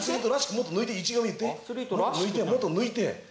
もっと抜いてもっと抜いて。